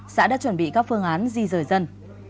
xã đã chuẩn bị các phương án di rời dân